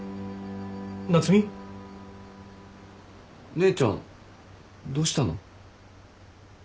姉ちゃんどうしたの？